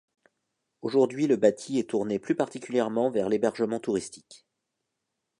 Aujourd'hui, le bâti est tourné plus particulièrement vers l'hébergement touristique.